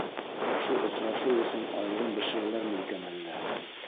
Ошо осрашыу өсөн айырым бешерәләрме икән әллә?